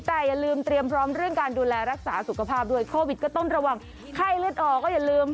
แต่อย่าลืมเตรียมพร้อมเรื่องการดูแลรักษาสุขภาพด้วยโควิดก็ต้องระวังไข้เลือดออกก็อย่าลืม